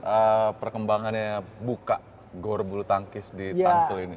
apa perkembangannya buka gorbulu tangkis di tangsel ini